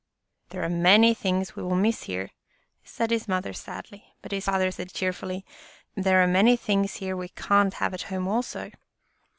" There are many things we will miss here," said his mother sadly, but his father said cheer fully, " There are many things here we can't have at home, also.